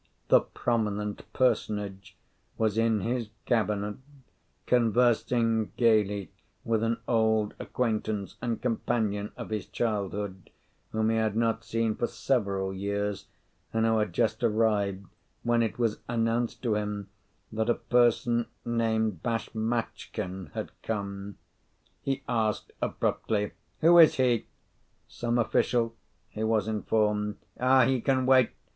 The prominent personage was in his cabinet conversing gaily with an old acquaintance and companion of his childhood whom he had not seen for several years and who had just arrived when it was announced to him that a person named Bashmatchkin had come. He asked abruptly, "Who is he?" "Some official," he was informed. "Ah, he can wait!